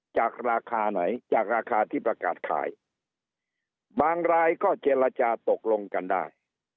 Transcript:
จากราคาไหนจากราคาที่ประกาศขายบางรายก็เจรจาตกลงกันได้